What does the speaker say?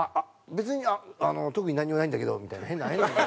「別にあの特になんにもないんだけど」みたいな変な変な。